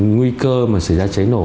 nguy cơ mà xảy ra cháy nổ